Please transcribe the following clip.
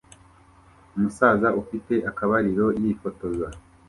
Umusaza ufite akabariro yifotoza